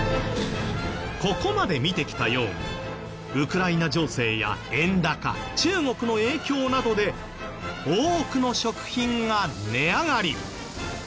ここまで見てきたようにウクライナ情勢や円高中国の影響などで多くの食品が値上がり。